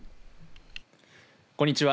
こんにちは。